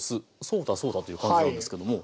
そうだそうだという感じなんですけども。